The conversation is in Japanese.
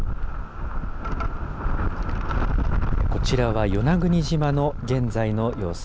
こちらは与那国島の現在の様子。